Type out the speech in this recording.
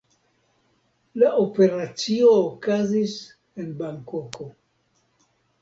La operacio okazis en Bankoko.